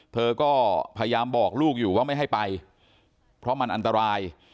เธอก็พยายามบอกลูกอยู่ว่าไม่ให้ไปเพราะมันอันตราย